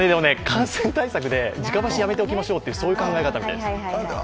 感染対策で、直箸をやめておきましょうという考え方みたいです。